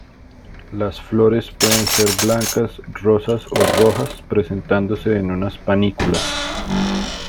Las flores pueden ser blancas, rosas, ó rojas presentándose en unas panículas.